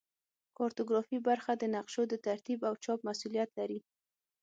کارتوګرافي برخه د نقشو د ترتیب او چاپ مسوولیت لري